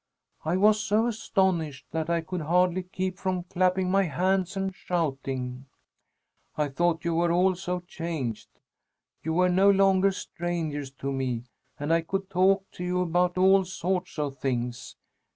I was so astonished that I could hardly keep from clapping my hands and shouting. I thought you were all so changed. You were no longer strangers to me and I could talk to you about all sorts of things.